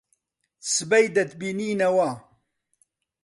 سبەی دەتبینینەوە.